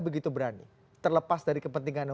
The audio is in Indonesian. begitu berani terlepas dari kepentingan